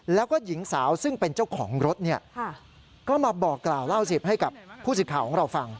แล้วก็หญิงสาวซึ่งเป็นเจ้าของรถเนี่ยก็มาบอกกล่าวเล่าสิทธิ์ให้กับผู้สิทธิ์ข่าวของเราฟัง